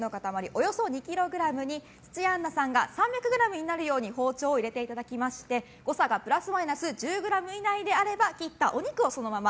およそ２ｋｇに土屋アンナさんが３００ｇになるように包丁を入れていただきまして誤差がプラスマイナス１０ｇ以内であれば切ったお肉をそのまま。